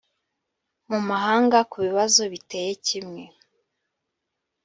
mu mahanga ku bibazo biteye kimwe